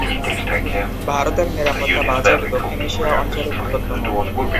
ভারতের নিরাপত্তা বাজেট দক্ষিণ এশিয়া অঞ্চলে বৃহত্তম।